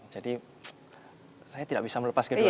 jadi saya tidak bisa melepas kedua duanya